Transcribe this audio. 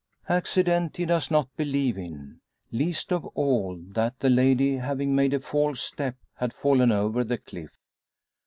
Accident he does not believe in least of all, that the lady having made a false step, had fallen over the cliff.